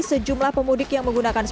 sejumlah pemudik yang menggunakan